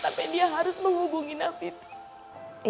tapi dia harus menghubungi david